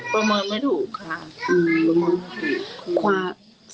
ประมาณไม่เดี๋ยวเพียงส่วนคว่างนี้